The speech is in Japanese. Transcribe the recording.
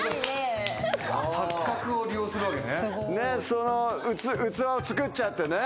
その器を作っちゃってね。